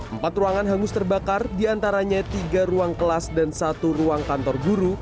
empat ruangan hangus terbakar diantaranya tiga ruang kelas dan satu ruang kantor guru